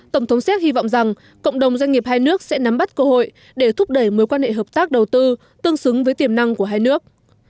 tổng thống séc hy vọng rằng cộng đồng doanh nghiệp hai nước sẽ nắm bắt cơ hội để thúc đẩy mối quan hệ hợp tác đầu tư tương xứng với tiềm năng của hai nước